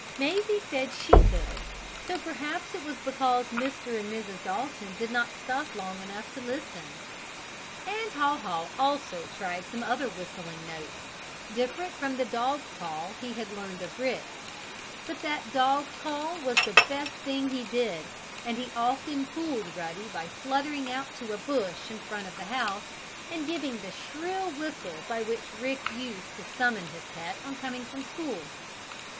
Mazie said she could, so perhaps it was because Mr. and Mrs. Dalton did not stop long enough to listen. And Haw Haw also tried some other whistling notes, different from the dog call he had learned of Rick. But that dog call was the best thing he did, and he often fooled Ruddy by fluttering out to a bush in front of the house and giving the shrill whistle by which Rick used to summon his pet on coming from school.